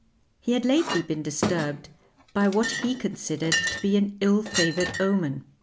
He had lately been disturbed by what he considered to be an ill favoured omen.